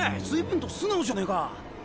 随分と素直じゃねえか。